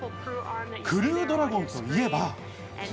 クルードラゴンといえば。